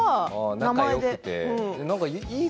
仲よくて。